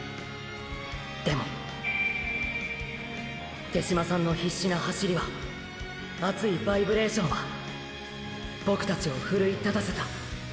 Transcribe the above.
でも手嶋さんの必死な走りは熱いバイブレーションはボクたちを奮い立たせた。